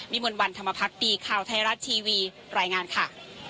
มวลวันธรรมพักดีข่าวไทยรัฐทีวีรายงานค่ะ